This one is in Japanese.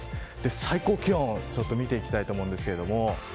最高気温を見ていきたいと思いますが。